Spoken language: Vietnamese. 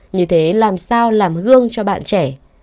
như thế làm sao làm gương cho bạn trẻ